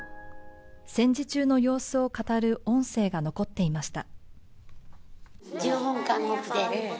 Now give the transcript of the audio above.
戦時中の様子を語る音声が残っていました。